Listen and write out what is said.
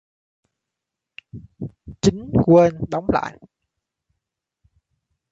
Chính quên đóng lại